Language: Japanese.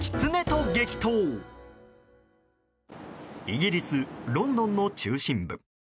イギリス・ロンドンの中心部。